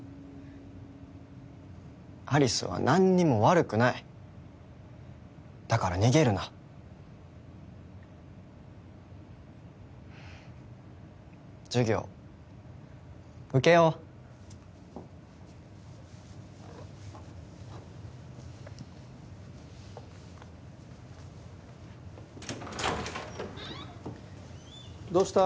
有栖は何にも悪くないだから逃げるな授業受けようどうした？